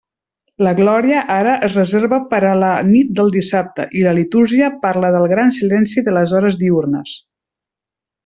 La Glòria ara es reserva per a la nit del dissabte i la litúrgia parla del gran silenci de les hores diürnes.